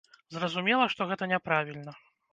Зразумела, што гэта няправільна.